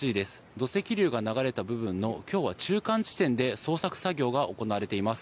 土石流が流れた部分の今日は中間地点で捜索作業が行われています。